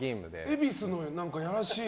恵比寿のやらしい